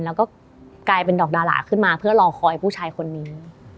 แล้วก็กลายเป็นดอกดาราขึ้นมาเพื่อรอคอยผู้ชายคนนี้